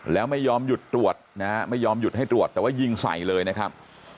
แล้วไม่ยอมหยุดตรวจนะฮะไม่ยอมหยุดให้ตรวจแต่ว่ายิงใส่เลยนะครับ